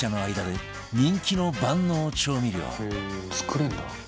「作れるんだ」